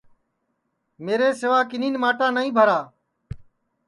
میرے سیوا کِنین ماٹا نائی بھرا